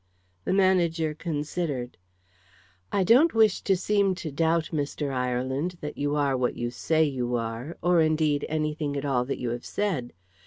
The manager considered. "I don't wish to seem to doubt, Mr. Ireland, that you are what you say you are, or, indeed, anything at all that you have said.